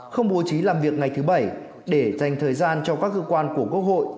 không bố trí làm việc ngày thứ bảy để dành thời gian cho các cơ quan của quốc hội